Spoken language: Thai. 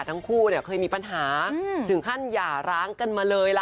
ทั้งคู่เนี่ยเคยมีปัญหาถึงขั้นหย่าร้างกันมาเลยล่ะ